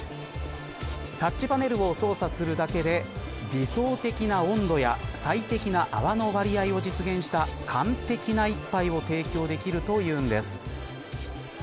タッチパネルを操作するだけで理想的な温度や最適な泡の割合を実現した完璧な一杯を提供できるというんです。